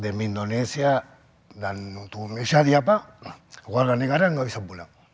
demi indonesia dan untuk indonesia di apa warga negara nggak bisa pulang